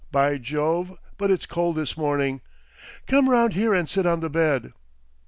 By Jove, but it's cold this morning! Come round here and sit on the bed!"